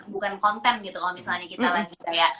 bukan konten gitu kalau misalnya kita lagi kayak